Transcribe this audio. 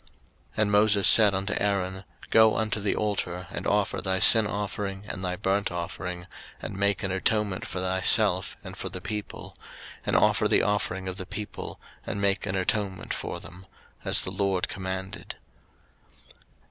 03:009:007 And Moses said unto Aaron, Go unto the altar, and offer thy sin offering, and thy burnt offering, and make an atonement for thyself, and for the people: and offer the offering of the people, and make an atonement for them; as the LORD commanded.